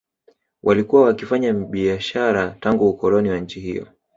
Walikuwa wakifanya biashara tangu ukoloni wa nchi hiyo